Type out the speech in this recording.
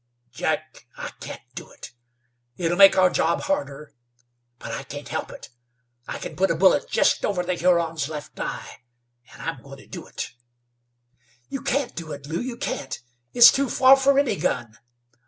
"Jack, I can't do it. It'll make our job harder; but I can't help it. I can put a bullet just over the Huron's left eye, an' I'm goin' to do it." "You can't do it, Lew; you can't! It's too far for any gun.